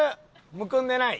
むくんでない？